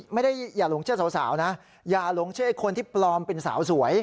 อย่าหลงเชื่อสาวนะอย่าหลงเชื่อไอ้คนที่ปลอมเป็นสาวสวย